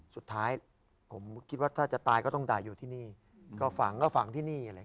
สุดท้ายผมคิดว่าถ้าจะตายก็ต้องตายอยู่ที่นี่ก็ฝังที่นี่